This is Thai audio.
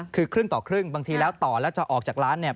คือครึ่งต่อครึ่งบางทีแล้วต่อแล้วจะออกจากร้านเนี่ย